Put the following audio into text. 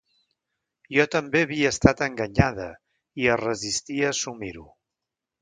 Jo també havia estat enganyada i es resistia a assumir-ho.